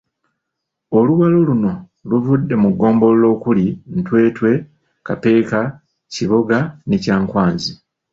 Oluwalo luno luvudde mu ggombolola okuli; Ntwetwe, Kapeke, Kiboga ne Kyankwanzi.